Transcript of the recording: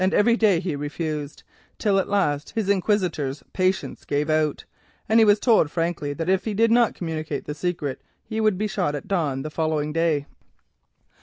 Every day he refused, till at last his inquisitor's patience gave out, and he was told frankly that if he did not communicate the secret he would be shot at the following dawn.